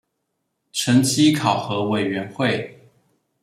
成績考核委員會